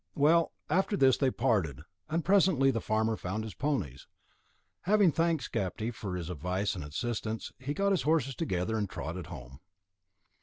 Well, after this they parted, and presently the farmer found his ponies. Having thanked Skapti for his advice and assistance, he got his horses together and trotted home.